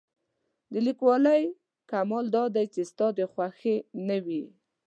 د لیکوالۍ کمال دا وي چې ستا د خوښې نه وي.